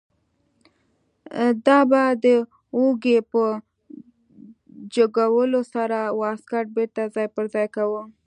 ده به د اوږې په جګولو سره واسکټ بیرته ځای پر ځای کاوه.